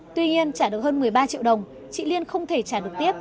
tuy nhiên trả được hơn một mươi ba triệu đồng chị liên không thể trả được tiếp